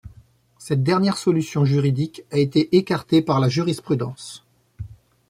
Cette dernière solution juridique a été écartée par la jurisprudence.